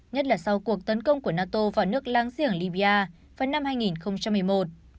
nhất là sau cuộc tấn công của nato vào nước láng giềng libya vào năm hai nghìn một mươi một